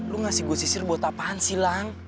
lu ngasih gue sisir buat apaan sih lang